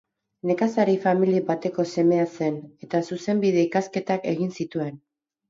Nekazari-famili bateko semea zen, eta zuzenbide-ikasketak egin zituen.